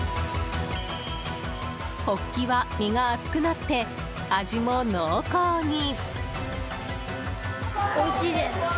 ホッキは身が厚くなって味も濃厚に。